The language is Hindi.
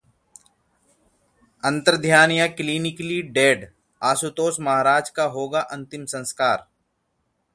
अंतर्ध्यान या क्लिनिकली डेड! आशुतोष महाराज का होगा अंतिम संस्कार